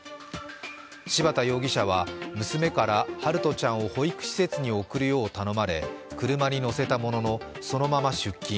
柴田容疑者は娘から陽翔ちゃんを保育施設に送るよう頼まれ車に乗せたものの、そのまま出勤。